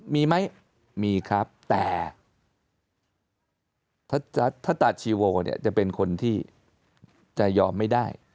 มีไหมมีครับแต่ทศชิโวจะเป็นคนที่จะยอมไม่ได้